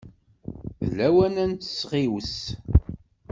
D lawan ad nesɣiwes.